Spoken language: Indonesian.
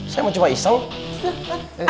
saya mah cuma iseng